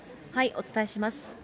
お伝えします。